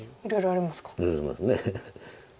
あります。